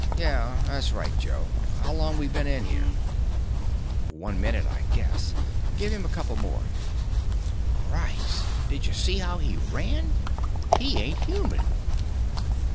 "Yeah, that's right, Joe. How long we been in here?" "One minute, I guess. Give him a couple more. Cripes! D'ja see how he ran? He ain't human!"